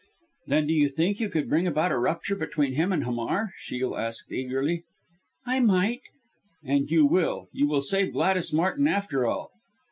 "Then do you think you could bring about a rupture between him and Hamar!" Shiel asked eagerly. "I might!" "And you will you will save Gladys Martin after all!"